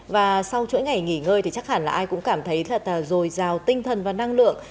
và sau chuỗi ngày nghỉ ngơi thì chắc hẳn là ai cũng cảm thấy thật dồi dào tinh thần và năng lượng